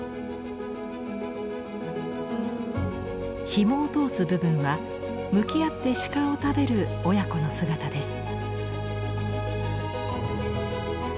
ひもを通す部分は向き合って鹿を食べる親子の姿です。